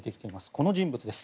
この人物です。